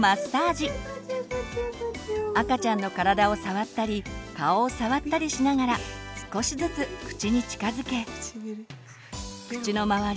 赤ちゃんの体を触ったり顔を触ったりしながら少しずつ口に近づけ口の周り